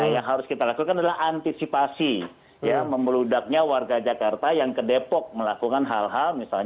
yang harus kita lakukan adalah antisipasi memeludaknya warga jakarta yang kedepok melakukan hal hal